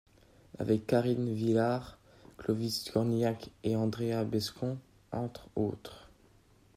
Avec Karin Viard, Clovis Cornillac et Andréa Bescond, entre autres.